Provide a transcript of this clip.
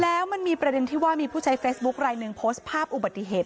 แล้วมันมีประเด็นที่ว่ามีผู้ใช้เฟซบุ๊คลายหนึ่งโพสต์ภาพอุบัติเหตุ